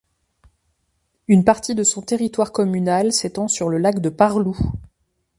Une partie de son territoire communal s'étend sur le Lac de Pareloup.